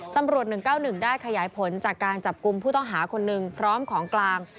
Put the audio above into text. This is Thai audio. ๑๙๑ได้ขยายผลจากการจับกลุ่มผู้ต้องหาคนหนึ่งพร้อมของกลาง